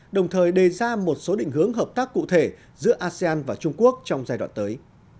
đồng thời đề ra một số định hướng hợp tác cụ thể giữa asean và trung quốc trong giai đoạn tới